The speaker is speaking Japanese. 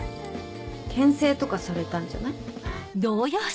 けん制とかされたんじゃない？